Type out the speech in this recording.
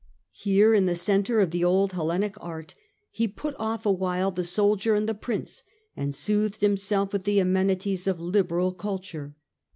Here in the centre of the old Hellenic art, he put off awhile the soldier and the prince, and soothed himself with the amenities of liberal culture.